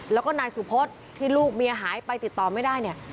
แล้วก็นายสุพศที่ลูกเมียหายไปติดต่อไม่ได้เนี่ย